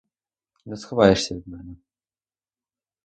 Не сховаєшся від мене.